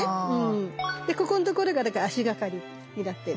でここんところが足がかりになってる。